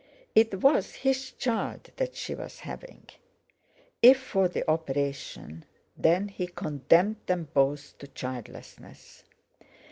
It was his child that she was having. If for the operation—then he condemned them both to childlessness.